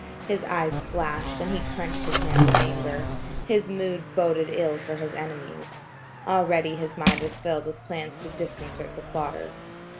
His eyes flashed, and he clenched his hands in anger. His mood boded ill for his enemies. Already his mind was filled with plans to disconcert the plotters.